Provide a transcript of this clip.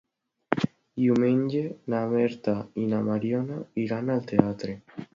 Diumenge na Berta i na Mariona iran al teatre.